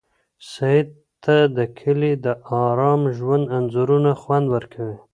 سعید ته د کلي د ارام ژوند انځورونه خوند ورکوي.